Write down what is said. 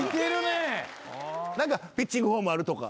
何かピッチングフォームあるとか？